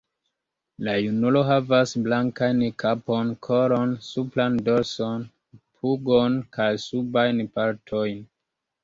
La junulo havas blankajn kapon, kolon, supran dorson, pugon kaj subajn partojn.